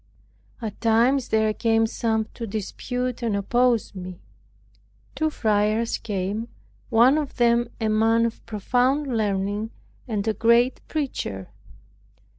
At times there came some to dispute and oppose me. Two friars came, one of them a man of profound learning and a great preacher.